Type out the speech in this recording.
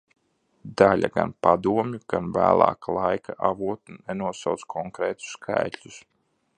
Daļa gan padomju, gan vēlāka laika avotu nenosauc konkrētus skaitļus.